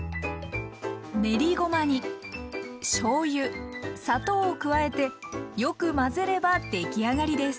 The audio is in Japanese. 練りごまにしょうゆ・砂糖を加えてよく混ぜればできあがりです。